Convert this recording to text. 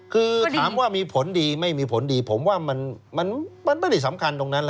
คือถามว่ามีผลดีไม่มีผลดีผมว่ามันไม่ได้สำคัญตรงนั้น